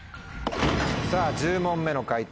さぁ１０問目の解答